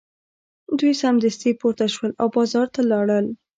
نو دوی سمدستي پورته شول او بازار ته لاړل